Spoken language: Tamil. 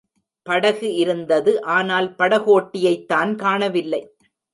படகு இருந்தது ஆனால், படகோட்டியைத் தான் காணவில்லை.